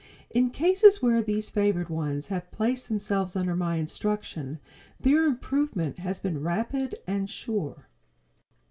In cases where these favored ones have placed themselves under my instruction their improvement has been rapid and sure.